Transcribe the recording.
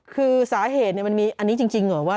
คือสาเหตุมันมีอันนี้จริงเหรอว่า